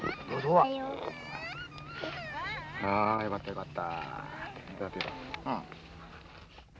あよかったよかった。